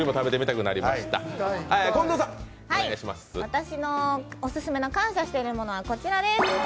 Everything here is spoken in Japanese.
私のオススメの感謝しているものはこちらです。